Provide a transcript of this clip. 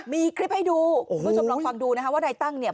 มีคลิปให้ดูคุณผู้ชมลองฟังดูนะคะว่านายตั้งเนี่ย